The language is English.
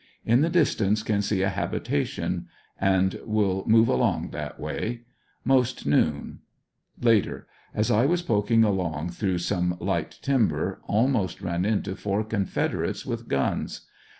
In the distance can see a habitation and Will mog along that way. Most noon. Later — As I was poking along through some light timber, almost ran into four Confederates with guns.